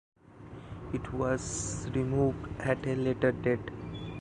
It was removed at a later date.